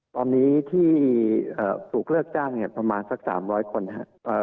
ตอนนี้ที่ถูกเลิกจ้างเนี่ยประมาณสัก๓๐๐คนครับ